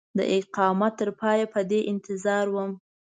د اقامت تر پایه په دې انتظار وم.